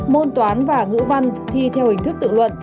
môn toán và ngữ văn thi theo hình thức tự luận